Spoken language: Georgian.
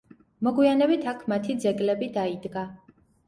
მოგვიანებით აქ მათი ძეგლები დაიდგა.